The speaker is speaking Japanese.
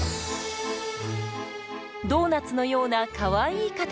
ドーナツのようなかわいい形。